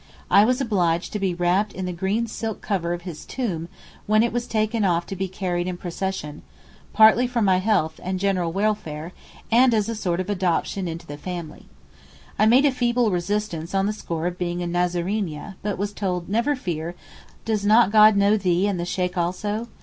I was obliged to be wrapped in the green silk cover of his tomb when it was taken off to be carried in procession, partly for my health and general welfare, and as a sort of adoption into the family. I made a feeble resistance on the score of being a Nazraneeyeh but was told 'Never fear, does not God know thee and the Sheykh also?